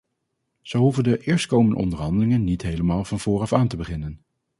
Zo hoeven de eerstkomende onderhandelingen niet helemaal van voren af aan te beginnen.